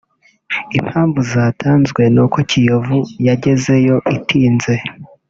impamvu zatazwe n’uko Kiyovu yagezeyo itinze